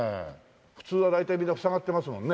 普通は大体みんな塞がってますもんね。